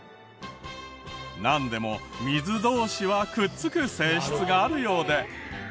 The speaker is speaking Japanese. なんでも水同士はくっつく性質があるようで。